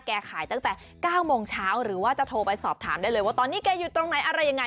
ขายตั้งแต่๙โมงเช้าหรือว่าจะโทรไปสอบถามได้เลยว่าตอนนี้แกอยู่ตรงไหนอะไรยังไง